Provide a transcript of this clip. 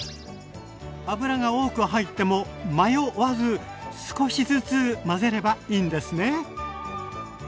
油が多く入ってもマヨわず少しずつ混ぜればいいんですね！